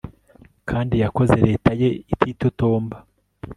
Kandi yakoze leta ye ititotomba